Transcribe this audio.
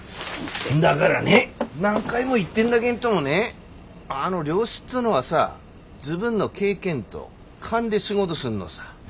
んだがらね何回も言ってんだげんどもねあの漁師っつうのはさ自分の経験ど勘で仕事すんのさ。